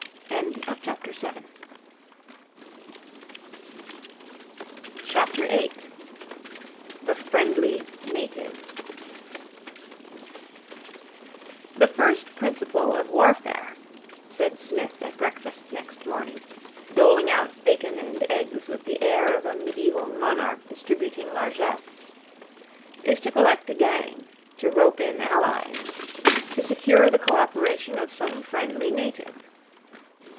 8. The Friendly Native 'The first principle of warfare,' said Psmith at breakfast next morning, doling out bacon and eggs with the air of a medieval monarch distributing largesse, 'is to collect a gang, to rope in allies, to secure the cooperation of some friendly native.